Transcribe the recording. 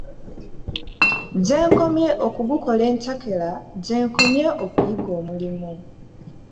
Gye nkomye okugukola entakera gye nkomye okuyiga omulimu.